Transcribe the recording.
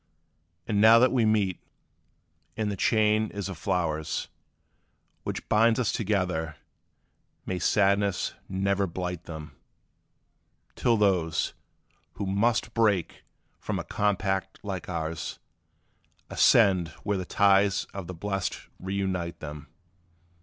And now that we meet, and the chain is of flowers, Which binds us together, may sadness ne'er blight them, Till those, who must break from a compact like ours, Ascend where the ties of the blest reunite them!